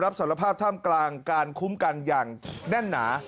รับสารภาพท่ามกลางการคุ้มกันอย่างแน่นหนา